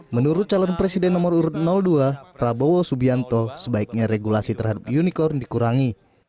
menurut calon presiden nomor urut dua prabowo subianto sebaiknya regulasi terhadap unicorn dikurangi